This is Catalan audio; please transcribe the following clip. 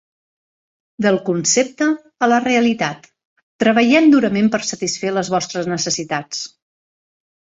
Del concepte a la realitat, treballem durament per satisfer les vostres necessitats.